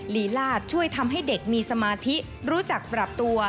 ลีลาดช่วยทำให้เด็กมีสมาธิรู้จักปรับตัว